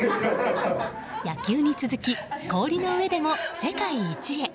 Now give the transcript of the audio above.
野球に続き氷の上でも世界一へ。